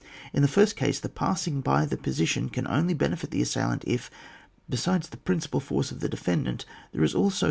In the first case the passing by the position can only benefit the assailant, if, besides the principal force of the defendant, there is also